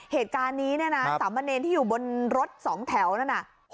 เหตุการณ์นี้นี่นะ๓มันเอนที่อยู่บนรถ๒แถวนั่นะ